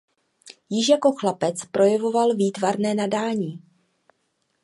Již jako chlapec projevoval výtvarné nadání.